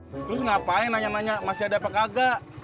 terus ngapain nanya nanya masih ada apa kagak